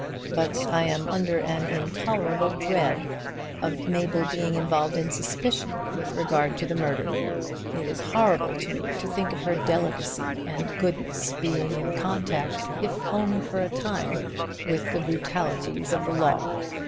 But I am under an intolerable dread of Mabel being involved in suspicion with regard to the murder. It is horrible to me to think of her delicacy and goodness being in contact, if only for a time, with the brutalities of the law.